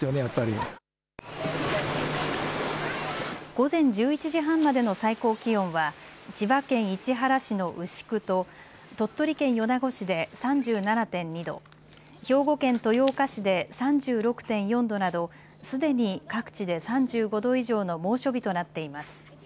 午前１１時半までの最高気温は千葉県市原市の牛久と鳥取県米子市で３７．２度、兵庫県豊岡市で３６．４度などすでに各地で３５度以上の猛暑日となっています。